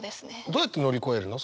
どうやって乗り越えるの？